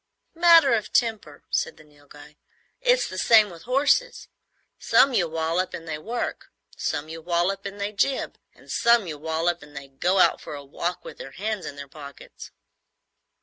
"Matter of temper," said the Nilghai. "It's the same with horses. Some you wallop and they work, some you wallop and they jib, and some you wallop and they go out for a walk with their hands in their pockets."